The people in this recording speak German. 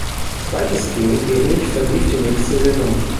Weitestgehend ähnlich verlief die nächste Saison.